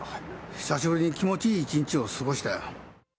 久しぶりに気持ちいい一日を過ごしたよ。